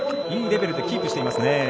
いいレベルでキープしていますね。